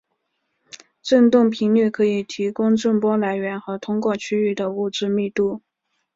振动频率可以提供震波来源和通过区域的物质密度。